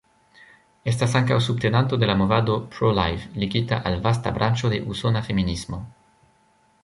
Estas ankaŭ subtenanto de la movado "Pro-Live", ligita al vasta branĉo de usona feminismo.